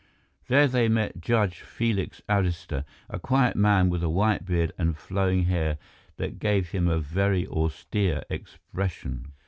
There they met Judge Felix Arista, a quiet man with a white beard and flowing hair that gave him a very austere expression.